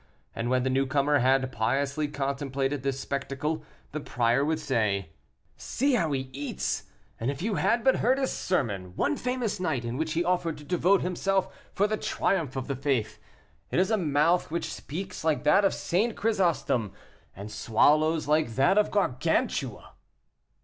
And when the newcomer had piously contemplated this spectacle, the prior would say, "See how he eats! And if you had but heard his sermon one famous night, in which he offered to devote himself for the triumph of the faith. It is a mouth which speaks like that of St. Chrysostom, and swallows like that of Gargantua."